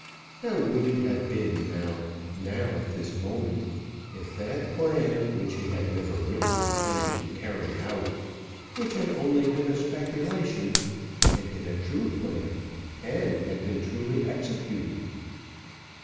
How would it have been now, now at this moment, if that plan, which he had never really intended to carry out, which had only been a speculation, had been a true plan and been truly executed?